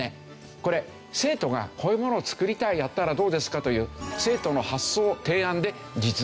これ生徒がこういうものを作りたいやったらどうですか？という生徒の発想提案で実現したというものですね。